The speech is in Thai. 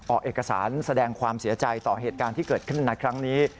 ออกเอกสารแสดงความเสียใจต่อเหตุการณ์ที่เกิดขึ้นในครั้งนี้